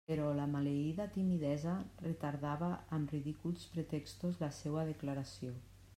Però la maleïda timidesa retardava amb ridículs pretextos la seua declaració.